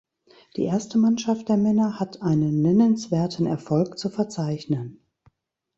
Die erste Mannschaft der Männer hat einen nennenswerten Erfolg zu verzeichnen.